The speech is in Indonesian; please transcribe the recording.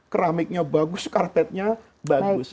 keramiknya bagus karpetnya bagus